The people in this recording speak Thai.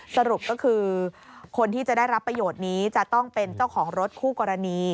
สรุปก็คือคนที่จะได้รับประโยชน์นี้จะต้องเป็นเจ้าของรถคู่กรณี